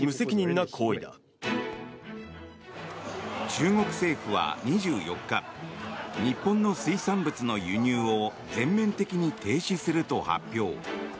中国政府は２４日日本の水産物の輸入を全面的に停止すると発表。